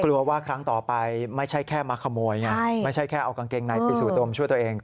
ว่าครั้งต่อไปไม่ใช่แค่มาขโมยไงไม่ใช่แค่เอากางเกงในไปสู่ดมช่วยตัวเอง